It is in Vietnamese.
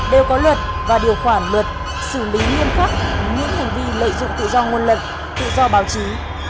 đều có luật và điều khoản luật xử lý nghiêm khắc những hành vi lợi dụng tự do ngôn luận tự do báo chí